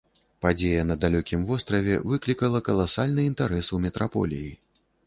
Падзея на далёкім востраве выклікала каласальны інтарэс у метраполіі.